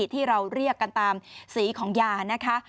ที่เราเรียกกันตามสีของยานะคะ